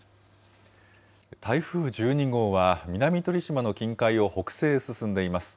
台風１２号は、南鳥島の近海を北西へ進んでいます。